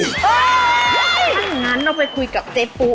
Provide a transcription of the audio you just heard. ถ้าอย่างนั้นเราไปคุยกับเจ๊ปู